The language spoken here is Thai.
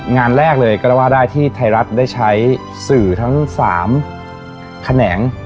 งานแรกเลยก็แล้วว่าได้ที่ไทยรัฐได้ใช้สื่อทั้ง๓แขนง